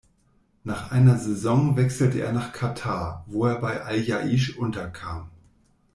Nach einer Saison wechselte er nach Katar, wo er bei al-Jaish unterkam.